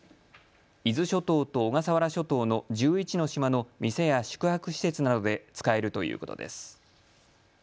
伊豆諸島と小笠原諸島の１１の島の店や宿泊施設などで使えるということです。